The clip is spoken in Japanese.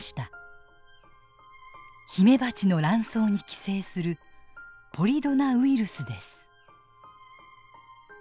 ヒメバチの卵巣に寄生する「ポリドナウイルス」です。